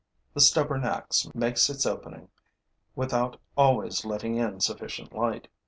The stubborn axe makes its opening without always letting in sufficient light.